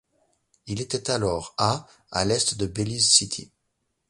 Il était alors à à l'est de Belize City.